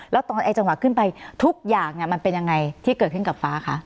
แล้วตอนไอ้จังหวะขึ้นไปทุกอย่างมันเป็นยังไงที่เกิดขึ้นกับฟ้าคะ